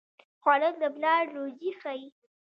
خوړل د پلار روزي ښيي